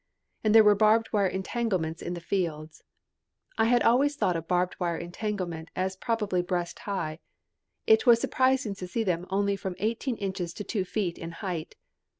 And there were barbed wire entanglements in the fields. I had always thought of a barbed wire entanglement as probably breast high. It was surprising to see them only from eighteen inches to two feet in height.